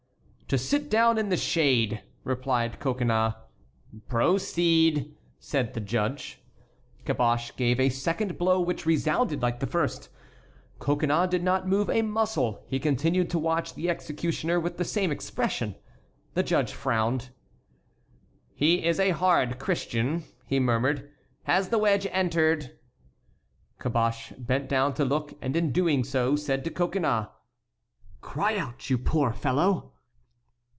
"To sit down in the shade," replied Coconnas. "Proceed," said the judge. Caboche gave a second blow which resounded like the first. Coconnas did not move a muscle; he continued to watch the executioner with the same expression. The judge frowned. "He is a hard Christian," he murmured; "has the wedge entered?" Caboche bent down to look, and in doing so said to Coconnas: "Cry out, you poor fellow!"